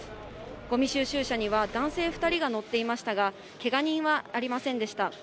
ごみ収集車には男性２人が乗っていましたが、けが人はありませんでした。